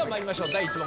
第１問。